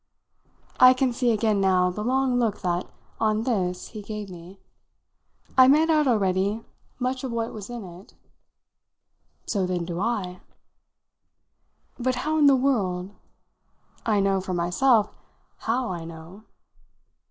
I can see again now the long look that, on this, he gave me. I made out already much of what was in it. "So then do I!" "But how in the world ? I know, for myself, how I know."